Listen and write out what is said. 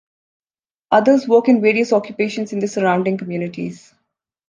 Others work in various occupations in the surrounding communities.